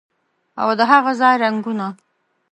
او د هاغه ځای رنګونه